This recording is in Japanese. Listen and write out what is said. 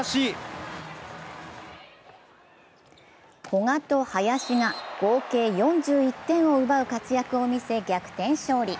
古賀と林が合計４１点を奪う活躍を見せ逆転勝利。